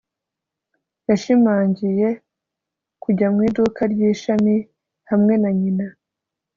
yashimangiye kujya mu iduka ry'ishami hamwe na nyina